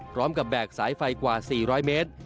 พร้อมกับแบกสายไฟกว่า๔๐๐เมตร